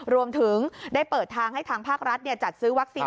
รวมถึงได้เปิดทางให้ทางภาครัฐจัดซื้อวัคซีน